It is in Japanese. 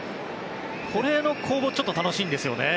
この攻防ちょっと楽しいんですよね。